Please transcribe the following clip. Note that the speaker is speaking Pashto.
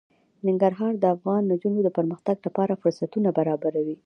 ننګرهار د افغان نجونو د پرمختګ لپاره فرصتونه برابروي.